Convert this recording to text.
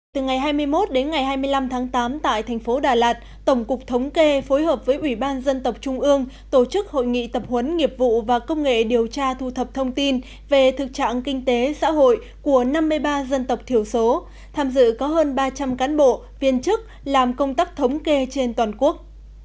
từ ngày hai mươi một đến ngày hai mươi năm tháng tám tại thành phố đà lạt tổng cục thống kê phối hợp với ủy ban dân tộc trung ương tổ chức hội nghị tập huấn nghiệp vụ và công nghệ điều tra thu thập thông tin về thực trạng kinh tế xã hội của năm mươi ba dân tộc thiểu số tham dự có hơn ba trăm linh cán bộ viên chức làm công tác thống kê trên toàn quốc